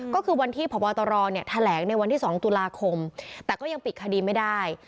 ก็คือวันที่พบตรแถลงในวันที่๒ตุลาคมแต่ก็ยังปิดคดีไม่ได้